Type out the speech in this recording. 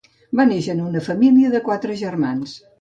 Va néixer en una família de quatre germans.